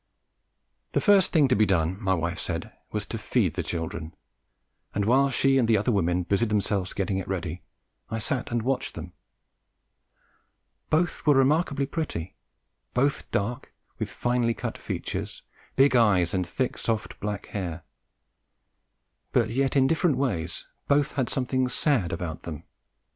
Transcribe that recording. The first thing to be done, my wife said, was to feed the children, and while she and the other women busied about getting it ready, I sat and watched them. Both were remarkably pretty; both dark, with finely cut features, big eyes and thick soft black hair; but yet in different ways both had something sad about them.